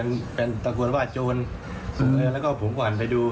เป็นเป็นตระกวดว่าโจรแล้วก็ผมก็หันไปดู